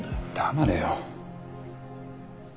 黙れよ。